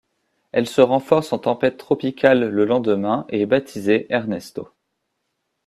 Elle se renforce en tempête tropicale le lendemain, et est baptisé Ernesto.